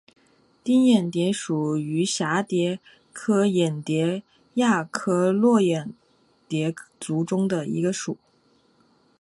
玎眼蝶属是蛱蝶科眼蝶亚科络眼蝶族中的一个属。